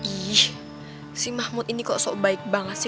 ih si mahmud ini kok baik banget sih